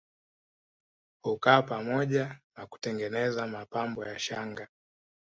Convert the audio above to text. Hukaa pamoja na kutengeneza mapambo ya shanga